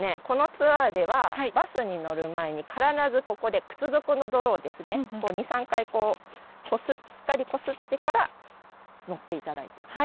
このツアーではバスに乗る前に必ずここで靴底の泥をですね２３回しっかりこすってから乗っていただいて。